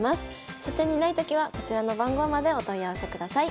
書店にないときはこちらの番号までお問い合わせください。